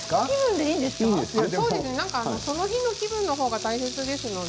その日の気分のほうが大切ですので。